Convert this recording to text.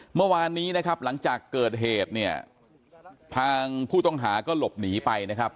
เมื่อวานนี้นะครับหลังจากเกิดเหตุเนี่ยทางผู้ต้องหาก็หลบหนีไปนะครับ